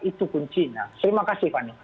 itu kuncinya terima kasih fani